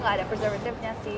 kita gak ada preservatif nya sih